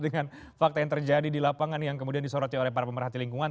dengan fakta yang terjadi di lapangan yang kemudian disoroti oleh para pemerhati lingkungan